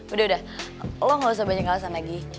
udah udah lo gak usah banyak alasan lagi